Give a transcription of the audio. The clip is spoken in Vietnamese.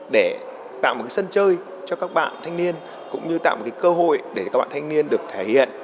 để tạo một sân chơi cho các bạn thanh niên cũng như tạo một cơ hội để các bạn thanh niên được thể hiện